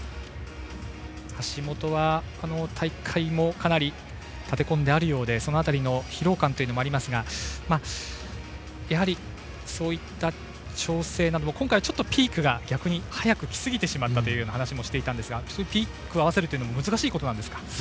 橋本は、大会もかなり立て込んで、あるようでその辺りの疲労感もありますがやはり、そういった調整なども今回はピークが逆に早く来すぎてしまったという話もありましたがピークを合わせるというのも難しいことなんですか？